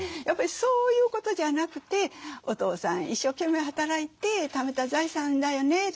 やっぱりそういうことじゃなくて「お父さん一生懸命働いてためた財産だよね。